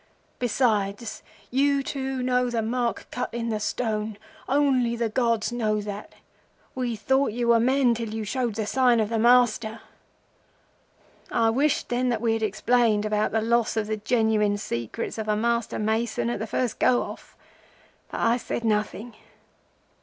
Besides, you two know the Mark cut in the stone. Only the gods know that. We thought you were men till you showed the sign of the Master.' "'I wished then that we had explained about the loss of the genuine secrets of a Master Mason at the first go off; but I said nothing.